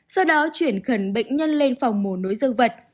sau đó chuyển khẩn bệnh nhân lên phòng mổ nối dương vật